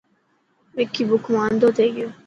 وڪي بک مان انڌو ٿي گيو.